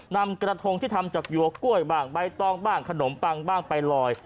นำกระทงที่ทำจากหยัวกล้วยบ้างใบตองบ้างขนมปังบ้างไปลอย